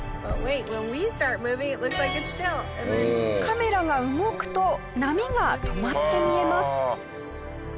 カメラが動くと波が止まって見えます。